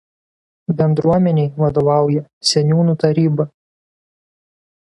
Bendruomenei vadovauja seniūnų taryba.